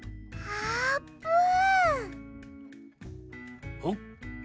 あーぷん！